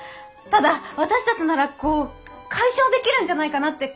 ただ私たちなら解消できるんじゃないかなって。